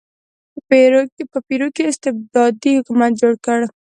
په پیرو کې استبدادي حکومت جوړ کړ.